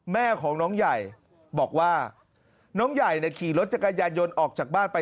แม่ของน้องใหญ่บอกว่าน้องใหญ่ขี่รถจักรยานยนต์ออกจากบ้านไป